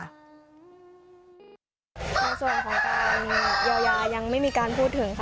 ในส่วนของการเยียวยายังไม่มีการพูดถึงค่ะ